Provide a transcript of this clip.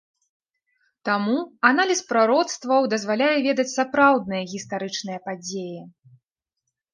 Таму аналіз прароцтваў дазваляе ведаць сапраўдныя гістарычныя падзеі.